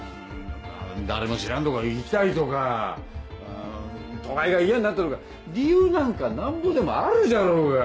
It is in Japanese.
ん誰も知らんとこ行きたいとかん都会が嫌んなったとか理由なんかなんぼでもあるじゃろうが！